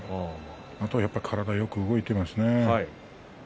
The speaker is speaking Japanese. あと体がよく動いていますね。